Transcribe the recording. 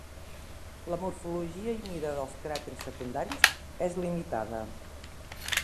La morfologia i mida dels cràters secundaris és limitada.